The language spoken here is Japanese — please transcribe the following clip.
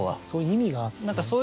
そういう意味があって。